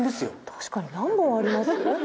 確かに何本あります？